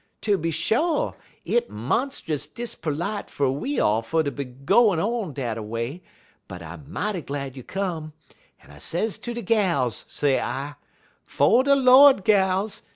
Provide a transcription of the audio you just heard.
Tooby sho', hit monst'us disperlite fer we all fer to be gwine on dat a way; but I mighty glad you come, en I sez ter de gals, s'I, "'Fo' de Lord, gals!